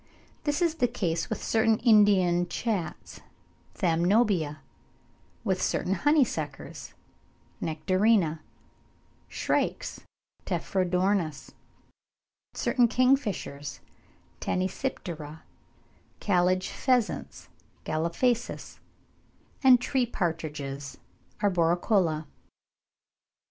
This is the case with certain Indian chats (Thamnobia), with certain honey suckers (Nectarinia), shrikes (Tephrodornis), certain kingfishers (Tanysiptera), Kalij pheasants (Gallophasis), and tree partridges (Arboricola).